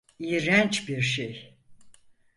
İğrenç bir şey.